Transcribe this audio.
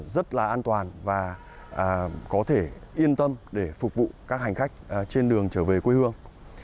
rất là an toàn và có thể yên tâm để phục vụ các hành khách trên đường trở về quê hương